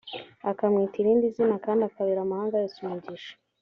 akamwita irindi zina kandi akabera amahanga yose umugisha